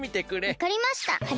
わかりました。